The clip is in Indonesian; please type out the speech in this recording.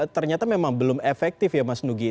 ternyata memang belum efektif ya mas nugi